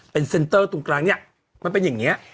เป็นเซ็นเตอร์ตรงกลางเนี่ยมันเป็นอย่างนี้